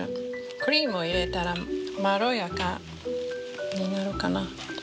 クリームを入れたらまろやかになるかな。